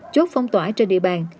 chốt phong tỏa trên địa bàn